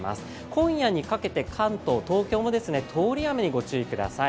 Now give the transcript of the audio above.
今夜にかけて関東・東京も通り雨にご注意ください。